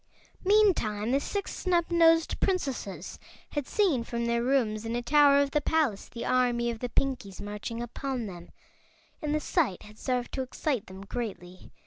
Meantime the Six Snubnosed Princesses had seen from their rooms in a tower of the palace the army of the Pinkies marching upon them, and the sight had served to excite them greatly.